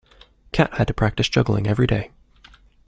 Cat had to practise juggling every day.